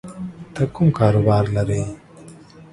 ته کوم کاروبار لری